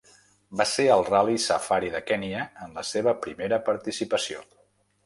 Va ser el Ral·li Safari de Kenya en la seva primera participació.